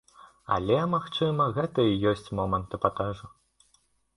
Але, магчыма, гэта і ёсць момант эпатажу.